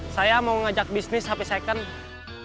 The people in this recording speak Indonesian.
saya mau ngajak bisnis happy second